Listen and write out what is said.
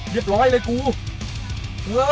รถหอมต้าน